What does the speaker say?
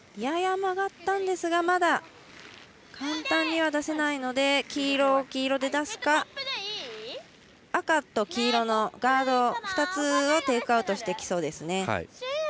やや曲がったんですがまだ、簡単には出せないので黄色を黄色で出すか赤と黄色のガード２つをテイクアウトしてきそうです。